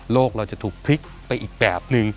เราจะถูกพลิกไปอีกแบบนึง